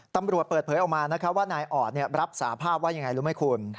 เปิดเผยออกมาว่านายออดรับสาภาพว่ายังไงรู้ไหมคุณ